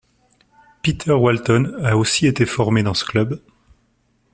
Peter Walton a aussi été formé dans ce club.